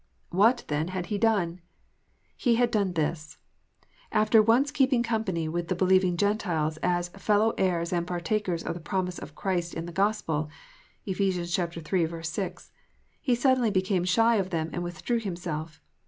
What, then, had he done 1 He had done this. After once keeping company with the believing Gentiles as " fellow heirs and partakers of the promise of Christ in the Gospel " (Ephes. iii. 6), he suddenly became shy of them and withdrew himself.